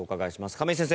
亀井先生